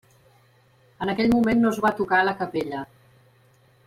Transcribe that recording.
En aquell moment no es va tocar la capella.